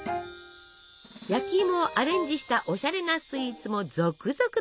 焼きいもをアレンジしたおしゃれなスイーツも続々登場！